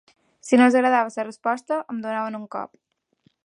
Si no els agradava la resposta, em donaven un cop.